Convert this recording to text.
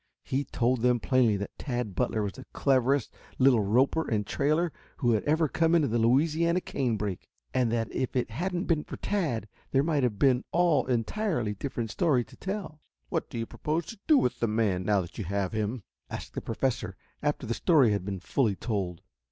He told them plainly that Tad Butler was the cleverest little roper and trailer who ever had come into the Louisiana canebrake, and that if it hadn't been for Tad there might have been all entirely different story to tell. "What do you propose to do with the man, now that you have him?" asked the Professor after the story had been fully told.